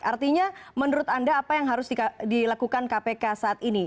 artinya menurut anda apa yang harus dilakukan kpk saat ini